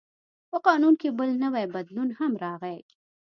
په قانون کې بل نوی بدلون هم راغی.